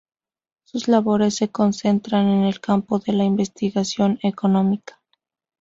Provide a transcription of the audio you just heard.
Sus labores se concentran en el campo de la investigación económica.